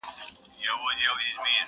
اوس له ګوتو د مطرب ويني را اوري!!